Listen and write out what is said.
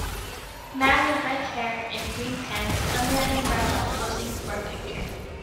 Man with redhair in green pants under an umbrella posing for a picture.